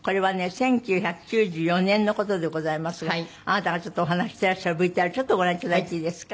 １９９４年の事でございますがあなたがお話ししてらっしゃるＶＴＲちょっとご覧頂いていいですか？